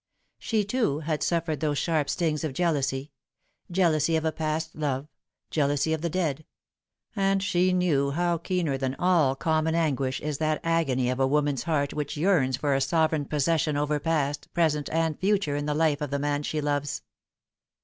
She, too, had suffered those sharp stings of jealousy ; jealousy of a past love, jealousy of the dead ; and she knew how keener than) all common anguish is that agony of a woman's heart which yearns for sovereign possession over past, present, and future in the life of the man she loves.